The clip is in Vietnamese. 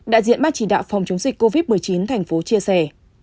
đại diện ban chỉ đạo phòng chống dịch covid một mươi chín thành phố chia sẻ